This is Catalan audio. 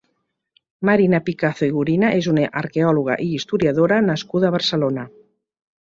Marina Picazo i Gurina és una arqueòloga i historiadora nascuda a Barcelona.